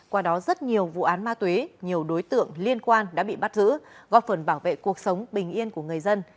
qua đó rất nhiều vụ án ma túy nhiều đối tượng liên quan đã bị bắt giữ góp phần bảo vệ cuộc sống bình yên của người dân